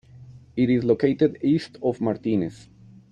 It is located east of Martinez.